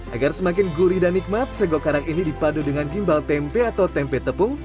agar semakin gurih dan nikmat sego karang ini dipadu dengan gimbal tempe atau tempe tepung